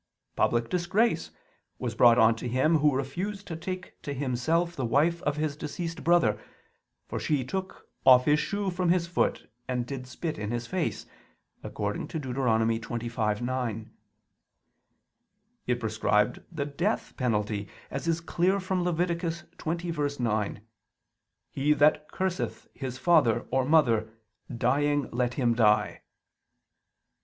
"Public disgrace" was brought on to him who refused to take to himself the wife of his deceased brother, for she took "off his shoe from his foot, and" did "spit in his face" (Deut. 25:9). It prescribed the "death" penalty, as is clear from (Lev. 20:9): "He that curseth his father, or mother, dying let him die."